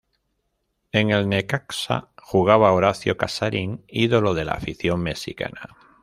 En el Necaxa, jugaba Horacio Casarín, ídolo de la afición mexicana.